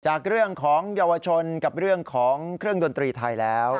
จากเรื่องของเยาวชนกับเรื่องของเครื่องดนตรีไทยแล้ว